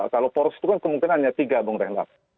kalau poros itu kan kemungkinan hanya tiga bung reinhardt